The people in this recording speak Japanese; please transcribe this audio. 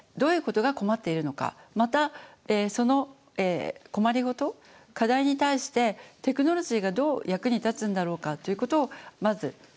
またその困り事課題に対してテクノロジーがどう役に立つんだろうかということをまず考えていくと思います。